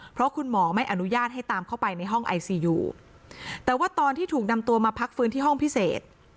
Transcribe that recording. เพราะคุณหมอไม่อนุญาตให้ตามเข้าไปในห้องไอซียูแต่ว่าตอนที่ถูกนำตัวมาพักฟื้นที่ห้องพิเศษ